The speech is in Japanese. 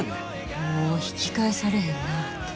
もう引き返されへんなぁて。